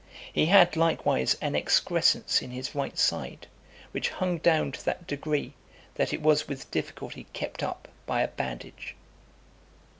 He had likewise an excrescence in his right side, which hung down to that degree, that it was with difficulty kept up by a bandage.